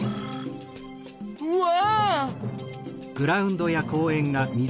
うわ！